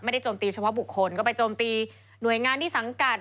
โจมตีเฉพาะบุคคลก็ไปโจมตีหน่วยงานที่สังกัด